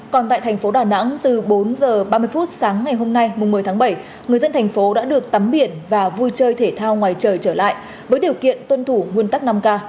còn tại thành phố đà nẵng từ bốn h ba mươi phút sáng ngày hôm nay một mươi tháng bảy người dân thành phố đã được tắm biển và vui chơi thể thao ngoài trời trở lại với điều kiện tuân thủ nguyên tắc năm k